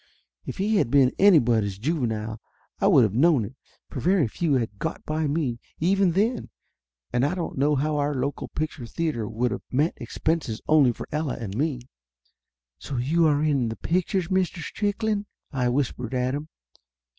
If he had been anybody's juvenile I would of known it, for very few had got by me, even then, and I don't know how our local picture theater would of met expenses only for Ella and me. "So you are in the pictures, Mr. Strickland?" I whispered at him.